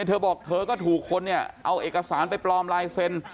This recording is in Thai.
เธอบอกเธอก็ถูกคนเนี่ยเอาเอกสารไปปลอมลายเซ็นต์